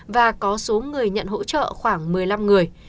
và có số người nhận hỗ trợ khoảng một mươi năm người